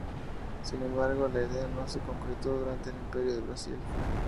Sin embargo, la idea no se concretó durante el Imperio del Brasil.